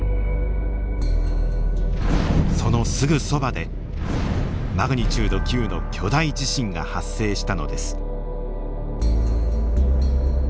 そのすぐそばでマグニチュード９の巨大地震が発生したのです。